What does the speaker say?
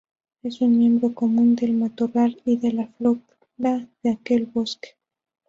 Es un miembro común del matorral y de la flora de aquel bosque.